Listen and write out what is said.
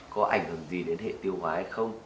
có ảnh hưởng gì đến hệ tiêu hóa hay không